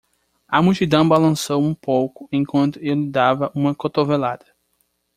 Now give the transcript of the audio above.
A multidão balançou um pouco enquanto eu lhe dava uma cotovelada.